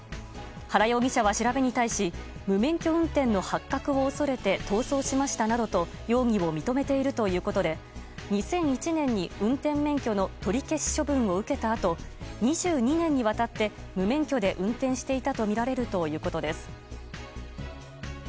原容疑者は調べに対し無免許運転の発覚を恐れて逃走しましたなどと容疑を認めているということで２００１年に運転免許の取り消し処分を受けたあと２２年にわたって無免許で運転していたとみられるということです。